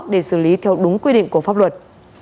để xử lý theo đúng quy định của pháp luật